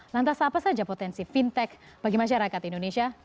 lantas apa saja potensi fintech bagi masyarakat indonesia